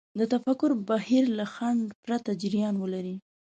د تفکر بهير له خنډ پرته جريان ولري.